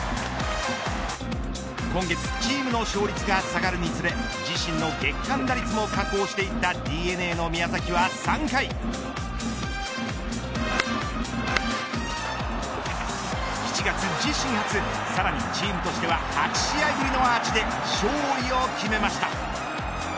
今月チームの勝率が下がるにつれ自身の月間打率も下降していたＤｅＮＡの宮崎は３回７月自身初さらにチームとしては８試合ぶりのアーチで勝利を決めました。